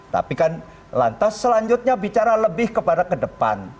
tapi kan lantas selanjutnya bicara lebih kepada ke depan